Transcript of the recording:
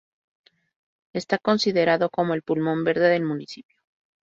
Está considerado como el pulmón verde del municipio.